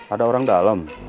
ada orang dalam